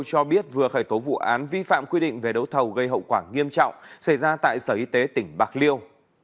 cho biết vừa khởi tố vụ án vi phạm quy định về đấu thầu gây hậu quả nghiêm trọng xảy ra tại sở y tế tỉnh bạc liêu